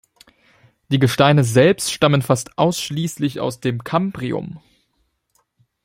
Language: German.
Die Gesteine selbst stammen fast ausschließlich aus dem Kambrium.